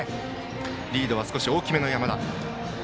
リードが少し大きめの山田。